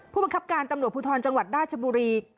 ผู้บังคับการตำรวจภูทรจังหวัดราชบุรี